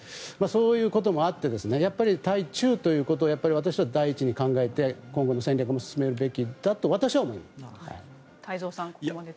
そういうこともあって対中ということをやっぱり私は第一に考えて今後の戦略を進めるべきだと私は思っています。